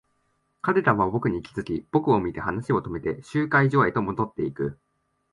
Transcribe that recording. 彼らは僕に気づき、僕を見て話を止めて、集会所へと戻っていく。